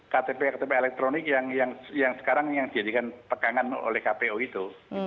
ktp ktp elektronik yang sekarang yang dijadikan pegangan oleh kpu itu